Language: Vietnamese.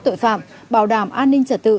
tội phạm bảo đảm an ninh trả tự